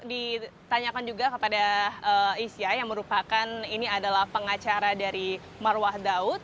ya tadi sudah ditanyakan juga kepada isya yang merupakan ini adalah pengacara dari mar wah daud